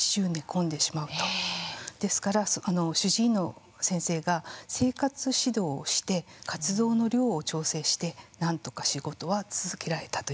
ですから主治医の先生が生活指導をして活動の量を調整してなんとか仕事は続けられたということなんです。